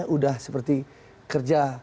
sudah seperti kerja